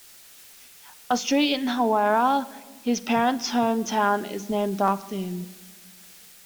A street in Hawera, his parent's home town, is named after him.